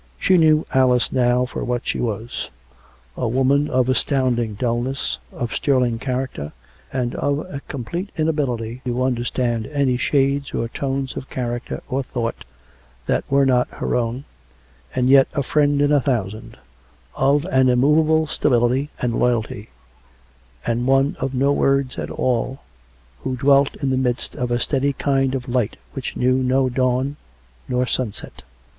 She knew Alice now for what she was — a woman of as tounding dullness, of sterling character, and of a complete inability to understand any shades or tones of character or thought that were not her own, and yet a friend in a thousand, of an immovable stability and loyalty, one of no words at all, who dwelt in the midst of a steady kind of light which knew no dawn nor sunset.